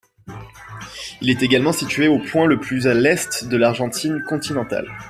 Elle est également située au point le plus à l'est de l'Argentine continentale.